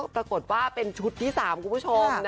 ปรากฏว่าเป็นชุดที่๓คุณผู้ชม